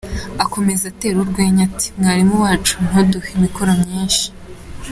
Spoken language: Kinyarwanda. akomeza atera urwenya ati “Mwarimu wacu, ntuduhe imikoro myinshi.